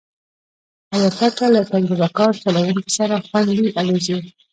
الوتکه له تجربهکار چلونکي سره خوندي الوزي.